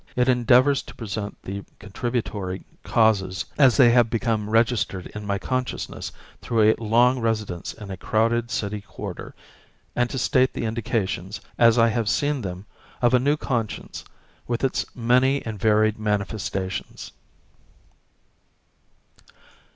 It endeavors to present the contributory causes, as they have become registered in my consciousness through a long residence in a crowded city quarter, and to state the indications, as I have seen them, of a new conscience with its many and varied manifestations.